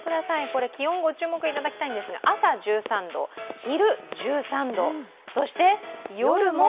これ気温、ご注目いただきたいんですが朝１３度、昼１３度、そして、夜も？